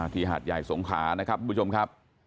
หาดใหญ่สงขานะครับทุกผู้ชมครับ